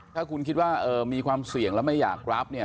ถ้าคุณคิดว่ามีความเสี่ยงแล้วไม่อยากรับเนี่ย